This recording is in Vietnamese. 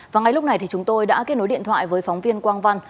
và ngay lúc này thì chúng tôi đã kết nối điện thoại với phóng viên quang văn